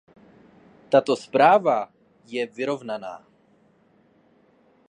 Tato zpráva je vyrovnaná.